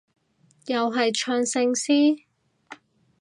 又係唱聖詩？